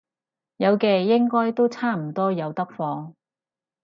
有嘅，應該都差唔多有得放